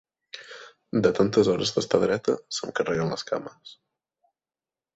De tantes hores d'estar dreta, se'm carreguen les cames.